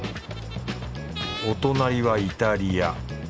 お隣はイタリア。